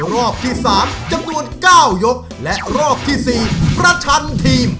รอบที่สามจำนวนเก้ายกและรอบที่สี่ประชันทีม